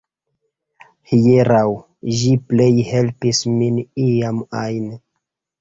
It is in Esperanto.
Hieraŭ, ĝi plej helpis min iam ajn